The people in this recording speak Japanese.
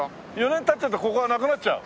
４年経っちゃうとここはなくなっちゃう？